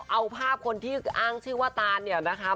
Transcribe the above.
เอาภาพคนที่อ้างชื่อว่าตานเนี่ยนะคะ